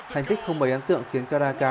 thành tích không bày ấn tượng khiến karanka